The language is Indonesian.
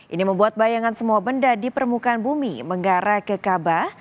ini membuat bayangan semua benda di permukaan bumi menggara ke kabah